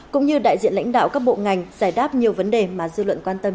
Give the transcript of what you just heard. cũng như đại diện lãnh đạo các bộ ngành giải đáp nhiều vấn đề mà dư luận quan tâm